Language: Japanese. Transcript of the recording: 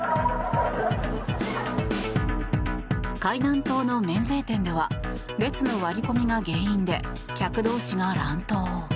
海南島の免税店では列の割り込みが原因で客同士が乱闘。